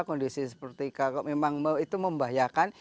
kondisi seperti itu memang membahayakan